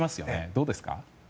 どうですか？